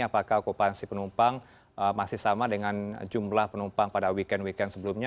apakah okupansi penumpang masih sama dengan jumlah penumpang pada weekend weekend sebelumnya